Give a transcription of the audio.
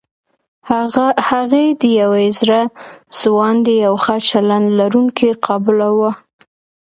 هغې د يوې زړه سواندې او ښه چلند لرونکې قابله وه.